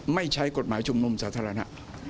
ไม่ใช้กฎหมายชุมนุมสาธารณะ